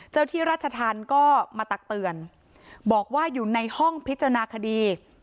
ที่ราชธรรมก็มาตักเตือนบอกว่าอยู่ในห้องพิจารณาคดี